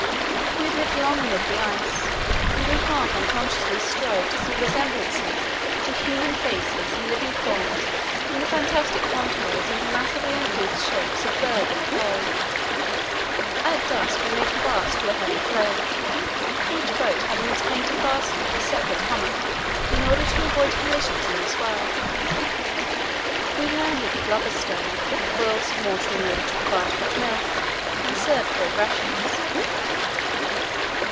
We had lived long amid the ice, and we half unconsciously strove to see resemblances to human faces and living forms in the fantastic contours and massively uncouth shapes of berg and floe. [Illustration: The Reeling Berg] [Illustration: Sailing South Again] At dusk we made fast to a heavy floe, each boat having its painter fastened to a separate hummock in order to avoid collisions in the swell. We landed the blubber stove, boiled some water in order to provide hot milk, and served cold rations.